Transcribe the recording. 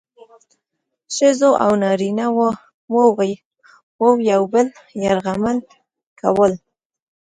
ښځو او نارینه وو یو بل یرغمل کول.